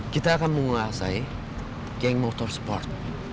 kita akan menguasai geng motor sport